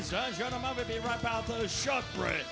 เจ้าตาน้องครูต้องลงภาพไปกันการนี้